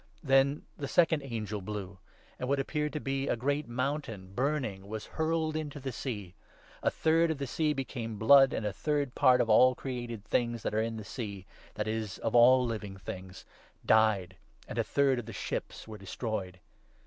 * Then the second angel blew ; and what appeared to be a 8 great mountain, burning, was hurled into the sea. A third of the sea became blood, and a third part of all created things 9 that are in the sea — that is, of all living things — died, and a third of the ships was destroyed.